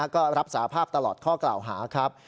ก็รับสาภาพตลอดข้อกล่าวหาครับ